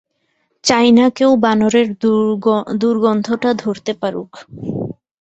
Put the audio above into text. চাইনা কেউ বানরের দুগন্ধটা ধরতে পারুক।